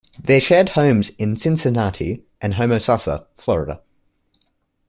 They shared homes in Cincinnati and Homosassa, Florida.